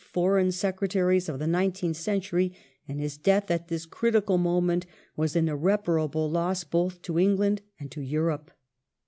Foreign Secretaries of the nineteenth century, and his death at this critical moment was an irreparable loss both to England and to Europe.